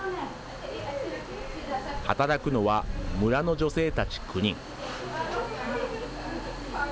働くのは村の女性たち９人。